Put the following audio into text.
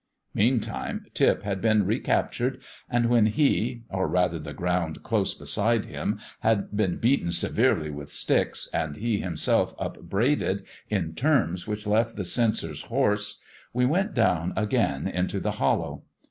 Meantime Tip had been recaptured, and when he, or rather the ground close beside him, had been beaten severely with sticks, and he himself upbraided in terms which left the censors hoarse, we went down again into the hollow.